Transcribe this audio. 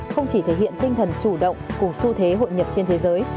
không chỉ thể hiện tinh thần chủ động cùng su thế hội nhập trên thế giới